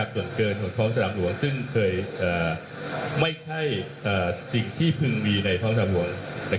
ส่วนเกินของท้องสนามหลวงซึ่งเคยไม่ใช่สิ่งที่พึงมีในท้องสนามหลวง